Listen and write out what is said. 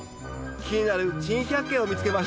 気になる珍百景を見つけました。